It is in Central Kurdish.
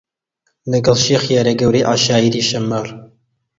لەگەڵ شێخی هەرە گەورەی عەشایری شەممەڕ